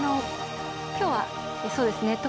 きょうは、そうですね